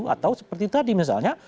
atau seperti tadi misalnya